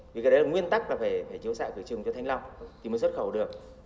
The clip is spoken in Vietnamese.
vì cái đấy là nguyên tắc là phải chiếu xạ cửa trùng cho thanh long thì mới xuất khẩu được